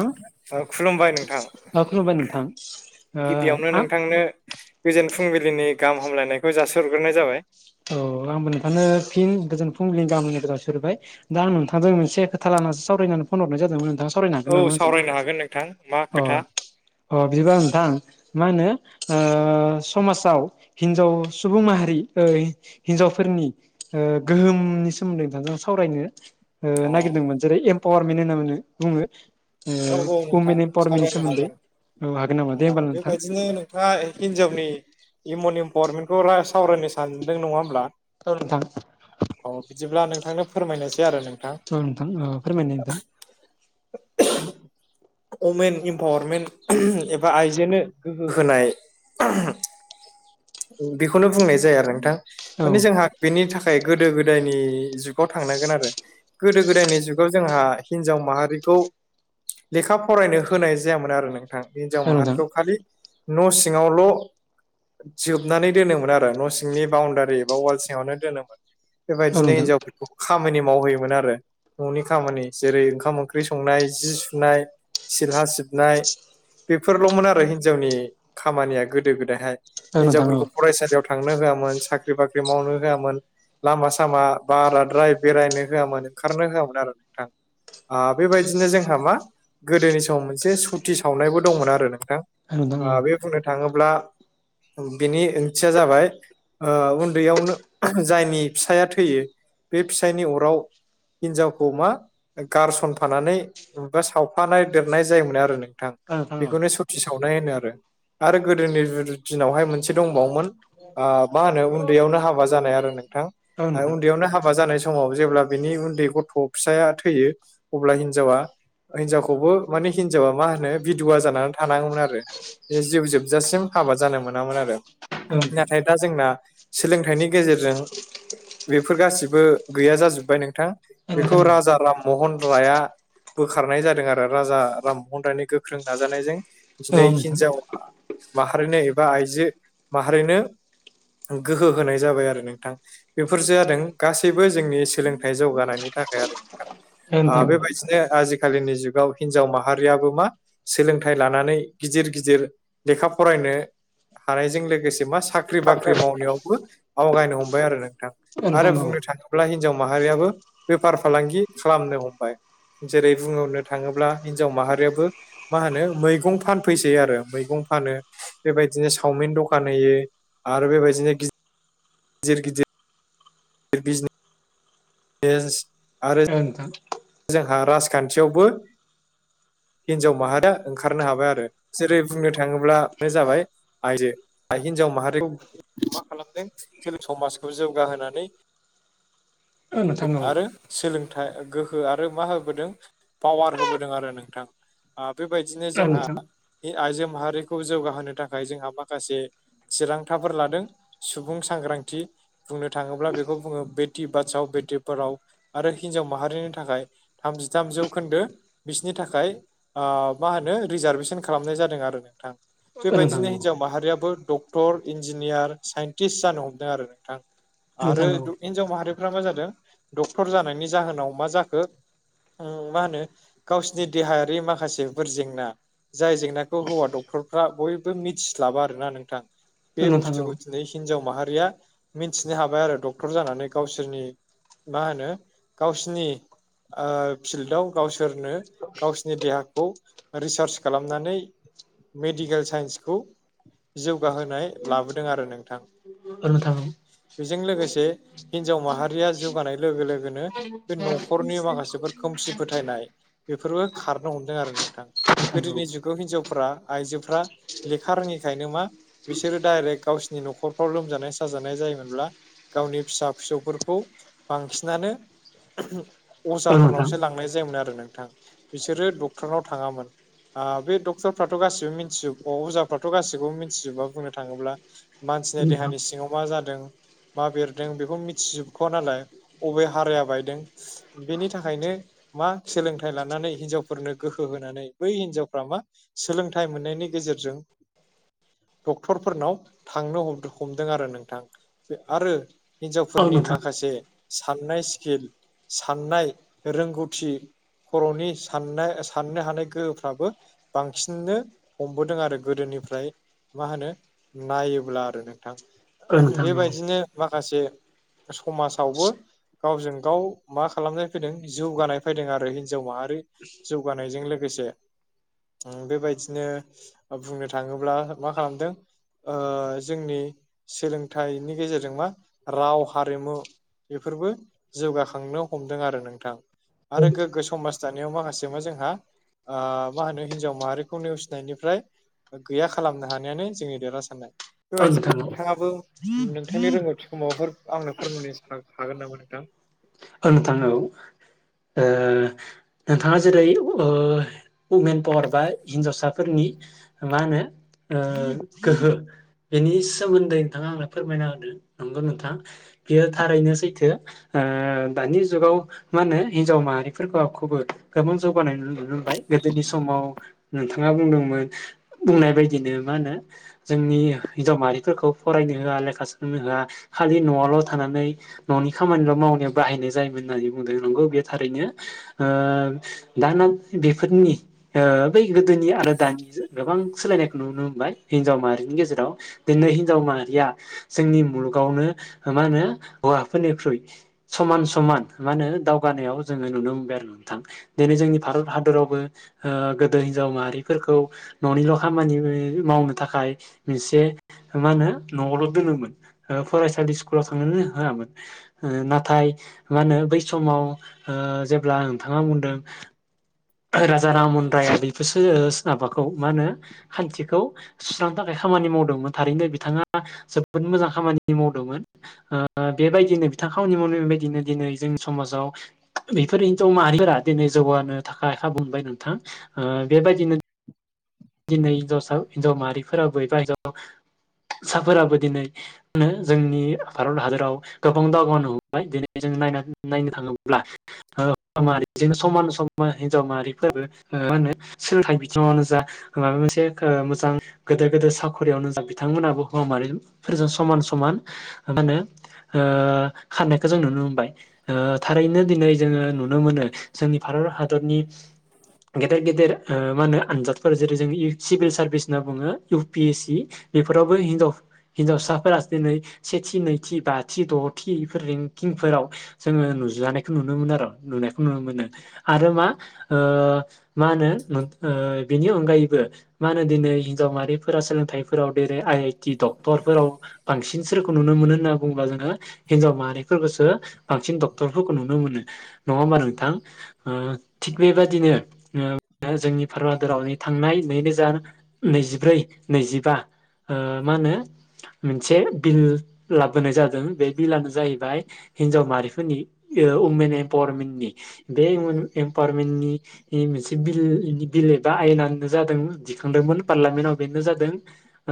ओ औ खुलुमबाय थां खुलुमबाय नोंथां ओ गिबियावनो आं नोंथांनो गोजोन फुंबिलिनि गाहाम हामलायनायखौ जासि हरगोरनाय जाबाय। औ आंबो नोंथानो फिन गोजोन फुंबिलिनि गाहाम हामलायनायखौ जासिहरबाय। दा आं नोंथांजों मोनसे खोथा लानानैसो सावरायनानै फन हरनाय जादोंमोन नोंथां। सावरायनो औ हागोन नामा आंजों? सावरायनो हागोन नोंथां मा अ खोथा अ बिदिबा नोंथां मा होनो ओ समाजाव हिन्जाव सुबुं माहारि हिनजावफोरनि ओ गोहोमनि सोमोन्दै नोंथां सावरायनो अ ओ नागिरदोंमोन जेरै एमपावारमेन्ट होनना [unintelligible] बुङो। औ औ नोंथां वमेन एमपावारमेननि सावरायनो सोमोन्दै हागोन हागोन नामा? दे होमबालाय नोंथां। थाङा हिनजावनि हिउमेन इम्पावारमेन्टखौ सावरायनोसै सानदों नङा होमब्ला औ नोंथां औ बिदिब्ला नोंथांनो फोरमायनोसै आरो नोंथां। औ नोंथां ओ फोरमायनाय नोंथां। अमेन इमपावारमेन्ट एबा आइजोनो गोहो होनाय बेखौनो बुंनाय जाया आरो नोंथां। औ माने जोंहा बेनि थाखाय गोदो गोदायनि थांनांगोन आरो। गोदो गोदायनि जुगाव जोंहा हिनजाव माहारिखौ लेखा फरायनो होनाय जायामोन आरोना। बे हिनजाव औ नोंथां माहारिखौ खालि न' सिङावल' जोबनानै दोनोमोन आरो न' सिंनि बाउण्डारि एबा वाल सिङावनो दोनोमोन। औ बेबायदिनो नोंथां हिनजावफोर खामानि मावहोयोमोन आरो न'नि खामानि। जेरै ओंखाम ओंख्रि संनाय जि सुनाय सिला सिबनाय बेफोरल'मोन आरो हिनजावनि खामानिया गोदो गोदायहाय। औ नोंथां औ हिनजावफोरखौ फरायसालियाव थांनो होआमोन साख्रि बाख्रि मावनो होआमोन लामा सामा बाराद्राय बेरायनो होआमोन ओंखारनो होआमोन आरो नोंथां। आ बेबायदिनो जोंहा मा गोदोनि समाव मोनसे सुथि सावनायबो दंमोन आरो नोंथां। औ नोंथां ओ औ बे बुंनो थाङोब्ला बेनि ओंथिया जाबाय ओ उन्दैयावनो जायनि फिसाया थैयो बे फिसायनि अराव हिनजावखौ मा गारसनफानानै सावफानाय देरनाय जायोमोन आरो नों थां औ नोंथां औ बेखौनो सथि सावनाय होनो आरो। आरो गोदोनि दिनावहाय मोनसे दंबावोमोन ओ मा होनो उन्दैयावनो हाबा जानाय आरो नोंथां। औ ओ नोंथां उन्दैयावनो हाबा जानाय सम माव जेब्ला बिनि उन्दै गथ' फिसाया थैयो अब्ला हिनजावा हिनजावखौबो माने हिनजावा मा होनो बिदुवा जानानै थानाङोमोन आरो बे जिउ जोबजासिम हाबा जानो मोनामोन आरो‌। औ नाथाय दा जोंना सोलोंथाइनि गेजेरजों बेफोर गासिबो गैया जाजोब्बाय नोंथां। नोंथां औ बेखौ नोंथां औ राजा राम महन राया बोखारनाय जादों आरो राजा राममहन रायनि गोख्रों नाजानायजों। औ दिनै नोंथां हिनजाव माहारिनो एबा आइजो माहारिनो गोहो होनाय जाबाय आरो नोंथां। बेफोर जादों गासैबो जोंनि सोलोंथाइ जौगानायनि थाखाय आरो नोंथां। औ नोंथां ओ औ बेबायदिनो आजिखालिनि जु गाव हिनजाव माहारियाबो मा सोलोंथाइ लानानै गिदिर गिदिर लेखा फरायनो हानायजों लोगोसे मा साख्रि बाख्रि मावनायावबो आवगायनो हमबाय आरो नोंथां। नोंथां आरो औ नोंथां औ नोंथां औ बुंनो थाङो ब्ला हिनजाव माहारियाबो बेफार फालांगि खालामनो हमबाय। जेरै बुंहरनो थाङोब्ला हिनजाव माहारियाबो मा होनो मैगं फानफैसै आरो। मैगं फानो बेबायदिनो सावमिन दखान होयो आरो बेबायदिनो गि दिर गिदिर दिर बिजिने नेस आरो ओं नोंथां जोंहा राजखान्थियावबो हिनजाव माहारिया ओंखारनो हाबाय आरो जेरै- बुंनो थाङोब्लानो जाबाय आयजो हिनजाव माहारिखौ मा खालामदों समाजखौ जौगाहोनानै औ नोंथां औ नोंथां आरो सोलोंथा गोहो हो आरो मा होबोदों पावार होबोदों आरो नोंथां ओ बेबायदिनो जोंहा ए आइजो माहारिखौ जौगाहोनो थाखाय जोंहा माखासे थिरांथाफोर लादों सुबुं सांग्रांथि बुंनो थाङोब्ला बेखौ बुङो बेटि बासाव बेटि फोराव आरो हिनजाव माहारिनि थाखाय थामजि थाम जौ खोन्दो बिसिनि थाखाय ओ मा होनो रिजार्भेसन खालामनाय जादों आरो नोंथां। बेबायदिनो हिनजाव औ माहारियाबो डक्टर इन्जिनियार साइन्टिस्ट जानो हमदों आरो नोंथां नोंथां औ नोंथां औ नोंथां औ नोंथां औ नोंथां औ नोंथां औ नोंथां औ आरो नोंथां औ हिनजाव माहारिफ्रा मा जादों डक्टर जानायनि जाहोनाव मा जा ‌ बो ओ मा होनो गावसिनि देहायारि माखासेफोर जेंना जाय जेंनाखौ हौवा डक्टरफ्रा बयबो मिथिस्लाबा आरोना नोंथां औ बे नोंथां बुस्थुखौ औ नै हिनजाव माहारिया मिथिनो हाबाय आरो डक्टर जानानै गावसोरनि मा होनो गावसिनि ओ फिल्डआव गावसोरनो गावसिनि देहाखौ रिसार्च खालामनानै मेडिकेल साइन्सखौ जौगाहोनाय लाबोदों आरो नोंथां बेजों लोगोसे हिनजाव माहारिया जौगानाय लोगो लोगोनो बे न' खरनि माखासेफोर खोमसि फोथायनाय बेफोरबो खारनो हमदों आरो नोंथां गोदोनि जुगाव हिनजावफ्रा आइजोफ्रा लेखा रोङिखायनो मा बिसोरो डाइरेक्ट गावसिनि न'खरफ्राव लोमजानाय साजानाय जायोमोनब्ला गावनि फिसा फिसौफोरखौ बांसिनानो अजाफोरनावसो लांनाय जायोमोन आरो नोंथां बिसोरो डक्टरनाव थाङामोन ओ बे डक्टरफ्राथ' गासिबो मिनथिजोब अ अजाफ्राथ' गासिबो मिनथिजोबा बुंनो थाङोब्ला मानसिनि देहानि सिङाव मा जादों मा बेरदों बेखौ मिथिजोबख'वा नालाय अबे हाराया बायदों बेनि थाखायनो मा सोलोंथाइ लानानै हिनजावफोरनो गोहो होनानै बै हिनजावफ्रा मा सोलोंथाइ मोननायनि गेजेरजों डक्टरफोरनाव थांनो हम-हमदों आरो नोंथां आरो हिन्जावफोरनि माखासे साननाय स्किल साननाय रोंगौथि खर'नि सानना साननो हानाय गोहोफ्राबो बांसिननो हमबोदों आरो गोदोनिफ्राय मा होनो नायोब्ला आरो नोंथां बेबायदिनो माखासे समाजावबो गावजों गाव मा खालामनाय फैदों जौगानाय फैदों आरो हिनजाव माहारि जौगानायजों लोगोसे बेबायदिनो बुंनो थाङोब्ला मा खालामदों ओ जोंनि सोलोंथाइनि गेजेरजों मा राव हारिमु बेफोरबो जौगाखांनो हमदों आरो नोंथां आरो गोग्गो समाज दानायाव माखासे मा जोंहा ओ मा होनो हिन्जाव माहारिखौ नेवसिनायनिफ्राय गैया खालामनो हानायानो जोंनि देरहासारनाय बेबायदिब्ला नोंथाङाबो नोंथांनि रोंगौथि खौ माबाफोर आंनो फोरमायनो हा-हागोन नामा नोंथां? औ नोंथां औ ओ नोंथाङा जेरै ओ उमेन पावार बा हिनजावसाफोरनि मा होनो ओ गोहो बेनि सोमोन्दै नोंथाङा आंनो फोरमायना होदो नंगौ नोंथां। बियो थारैनो सैथो ओ दानि जुगाव मा होनो हिनजाव माहारिफोरखौ खौबो गोबां जौगानाय नुनो मोनबाय गोदोनि समाव नोंथाङा बुंदोंमोन बुंनाय बायदिनो मा होनो जोंनि हिनजाव माहारिफोरखौ फरायनो होआ लेखा सोलोंनो होआ खालि न'आवल' थानानै न'नि खामानिल' मावनायाव बाहायनाय जायोमोन होननानै बुंदों नंगौ बे थारैनो ओ दाना बेफोरनि ओ बै गोदोनि आरो दानिजो गोबां सोलायनायखौ नुनो मोनबाय हिनजाव माहारिनि गेजेराव। दिनै हिनजाव माहारिया जोंनि मुलुगावनो मा होनो हौवाफोरनिख्रुइ समान समान मा होनो दावगानायाव जोङो नुनो मोनबाय आरो नोंथां। दिनै जोंनि भारत हादरावबो ओ गोदो हिनजाव माहारिफोरखौ न'निल' खामानि बे मावनो थाखाय मोनसे मा होनो न'आवल' दोनोमोन। ओ फरायसालि स्कुलाव थांनोनो होआमोन ओ ना थाय मा होनो बै समाव ओ जेब्ला नोंथाङा बुंदों राजा राम महन राया बेफोरसो सो माबाखौ मा होनो खान्थिखौ सुस्रांनो थाखाय खामानि मावदोंमोन थारैनो बिथाङा जोबोद मोजां खामानि मावदोंमोन। ओ बेबायदिनो बिथां खामानि मावनाय बेबायदिनो दिनै जोंनि समाजाव बेफोरिनोथ' माहारिफोरा दिनै जौगानो थाखाय खाबु मोनबाय नोंथां ओ बेबायदिनो दिनै हिनजावसा हिनजाव माहारिफोराबो एबा हिनजाव साफोराबो दिनै होनो जोंनि भारत हादराव गोबां दावगानो हमबाय दिनै जों नायना नायनो थाङोब्ला [unintelligible] समान समान हिनजाव माहारिफोरबो ओ मा होनो सोलोंथाइ बिथिङावनो जा माबा मोनसे मोजां गोदोर गोदोर साखरियावनो जा बिथांमोनहाबो हौवा माहारि फोरजों समान समान मा होनो ओ खाननायखौ जों नुनो मोनबाय ओ थारैनो दिनै जोङो नुनो मोनो जोंनि भारत हादरनि गेदेर गेदेर ओ मा होनो आनजादफोर जेरै जों सिभिल सार्भिस होनना बुङो इउ पि एस सि बेफोरावबो हिनजाव हिनजावसाफोरा दिनै सेथि नैथि बाथि द'थिफोर रें किं फोराव जोङो नुजानायखौ नुनो मोनो आरो नुनाय खौ नुनो मोनो आरो मा ओ मा होनो ओ बेनि अन गायैबो मा होनो दिनै हिनजाव माहारिफोरा सोलोंथाइफोराव देरो आइ आइटि डक्टरफोराव बांसिन सोरखौ नुनो मोनो होनना बुङोब्ला जोङो हिनजाव माहारिफोरखौसो बांसिन डक्टरफोरखौ नुनो मोनो। नङा होमबा नोंथां ओ थिग बेबादिनो जोंनि भारत हादोरावनि थांनाय नै रोजा नै जिब्रै नै जिबा ओ मा होनो मोनसे बिल लाबोनाय जादों बे बिलआनो जाहैबाय हिनजाव माहारिफोरनि ओ उमेन एमपावारमेन्टनि। बे उमेन एमपावारमेन्टनि मोनसे बिल बिल एबा आयेना बेनो जादों दिखांदोंमोन पारलामेन्टआव बेनो जादों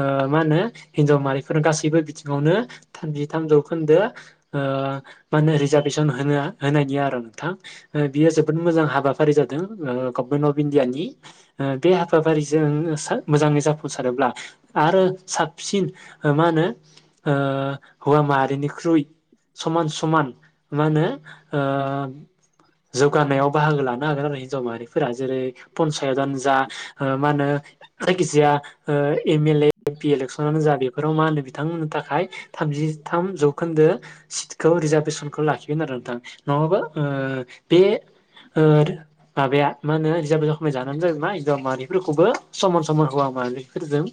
ओ मा होनो हिनजाव माहारिफोर गासैबो बिथिङावनो थामजि थामजौ खोन्दो ओ मा होनो रिजारभेसन होनो होनायनि आरो नोंथां। ओ बियो जोबोद मोजां हाबाफारि जादों गभमेन्ट अफ इण्डियानि। ओ बे हाबाफारिजों सो मोजाङै जाफुंसारोब्ला आरो साबसिन मा होनो ओ हौवा माहारिनिख्रुइ समान समान मा होनो ओह जौगानायाव बाहागो लानो हागोन आरो हिन्जाव माहारिफोरा जेरै पन्सायतआनो जा ओ मा होनो जायखिजाया ओ एमेले‌ एमफि अलेखसनानो जा बेफोराव मा होनो बिथांमोननो थाखाय थामजिथाम जौखोन्दो सिटखौ रिजार्भेसनखौ लाखिगोन आरो नोंथां। नङाबा बे ओ आरो माबाया मा होनो रिजार्भ जखमै जानानै जाहैबाय। हिजाव मारिफोरखौबो समान समान हौवा माहारिफोरजों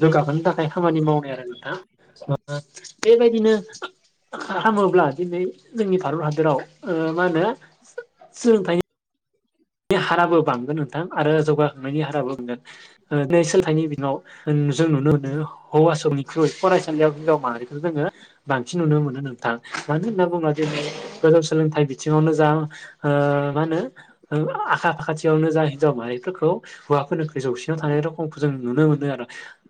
जौगाफानो थाख फ्राय खामानि मावनाय आरो नोंथां ओ बेबायदिनो खा हामोब्ला दिनै जोंनि भारत हादोराव ओ मा होनो सोलोंथाइ नि हाराबो बांगोन नोंथां। आरो जौगाखांनायनि हाराबो बांगोन। ओ नै सोलोंथाइनि बिथिङाव ओं जों नुनो मोनो हौवासोनिख्रुइ फरायसालियाव हिनजाव माहारिखौ जोङो बांसिन नुनो मोनो नोंथां। मानो होनना बुङोब्ला जे गोजौ सोलोंथाइ बिथिङावनो जा ओ मा होनो ओ आखा फाखाथियावनो जाय हिनजाव माहारिफोरखौ हौवाफोरनिख्रइ जौसिनाव थानाय रखमखौ जों नुनो मोनो आरो।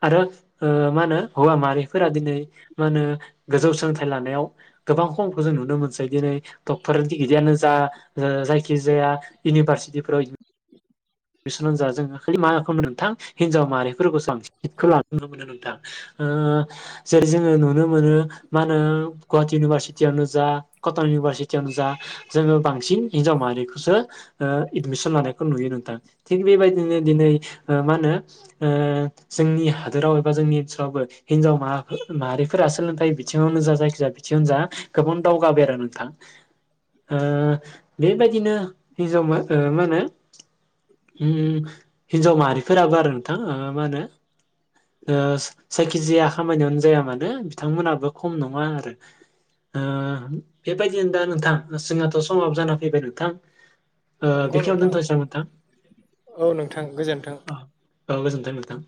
आरो ओ मा होनो हौवा माहारिफोरा दिनै मा होनो गोजौ सोलोंथाइ लानायाव गोबां खमखौ जों नुनो मोनसै दिनै डक्टर गिदिगिदिरयानो जा जायखिजाया इउनिभारसिटिफोराव बिसोननानोजा जोङो खालि मा खालामो नोंथां हिनजाव माहारिफोरखौसो बांसिन सिटखौ लानाय नुनो मोनो नोंथां। ओ जेरै जोङो नुनो मोनो मा होनो गुवाहाटी इउनिभारसिटियावनो जा कटन इउनिभारसिटियावनो जा जोङो बांसिन हिन्जाव माहारिखौसो ओ एदमिसन लानायखौ नुयो नोंथां। थिग बेबायदिनो दिनै ओ मा होनो ओ जोंनि हादोराव एबा जोंनि ओनसोलावबो हिनजाव माहा माहारिफोरा सोलोंथाइ बिथिङावनो जा जायखिजाया बि जियानो जा गोबां दावगाबाय आरो नोंथां। ओ बेबायदिनो हिन्जामो मा होनो उम हिन्जाव माहारिफोराबो आरो नोंथां ओ मा होनो ओ जायखिजाया खामानियावनो जाया मानो बिथांमोनाबो खम नङा आरो। ओ बेबायदिनो दा नोंथां जोंहाथ' समाबो जाना फैबाय नोंथां। ओ नंगौ बेखिनियाव नोंथां। दोनथ'नोसै नामा नोंथां? औ नोंथां गोजोनथों। औ गोजोन्थों नोंथां‌।